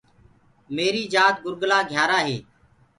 ميريٚ جات گُرگُلا(گهيارآ) هي۔